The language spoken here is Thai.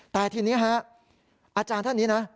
แต่ทีนี้ฮะอาจารย์ท่านนี้นะ